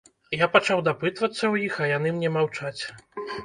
Я пачаў дапытвацца ў іх, а яны мне маўчаць.